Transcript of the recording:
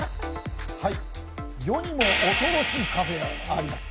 世にも恐ろしいカフェがあります。